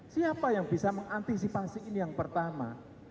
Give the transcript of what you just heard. siapa yang bisa mengantisipasi ini yang pertama